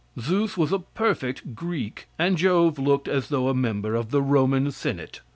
Zeus was a perfect Greek and Jove looked as though a member of the Roman senate.